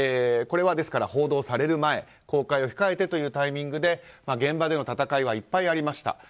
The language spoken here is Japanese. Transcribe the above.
これは報道される前公開を控えてというタイミングで現場での戦いはいっぱいありました。